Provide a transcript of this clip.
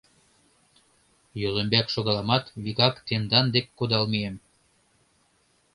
Йол ӱмбак шогаламат, вигак тендан дек кудал мием.